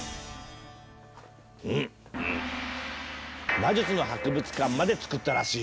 魔術の博物館までつくったらしいよ。